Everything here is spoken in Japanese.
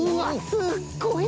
すっごい！